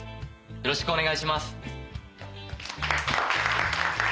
よろしくお願いします。